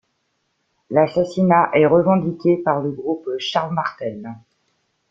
L'assassinat est revendiqué par le Groupe Charles-Martel.